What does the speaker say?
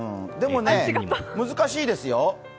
でもね、難しいですよ。